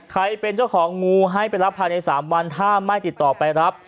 เป็นเจ้าของงูให้ไปรับภายใน๓วันถ้าไม่ติดต่อไปรับ